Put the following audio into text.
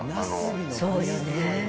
そうよねぇ。